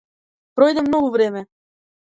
Пројде многу време.